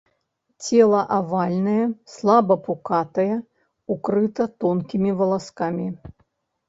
Цела авальнае, слаба пукатае, укрыта тонкімі валаскамі.